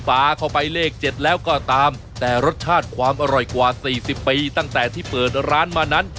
ปลาเข้าไปเลข๗แล้วก็ตามแต่รสชาติความอร่อยกว่า๔๐ปีตั้งแต่ที่เปิดร้านมานั้น